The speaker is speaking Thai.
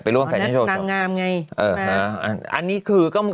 อันนี้คือก็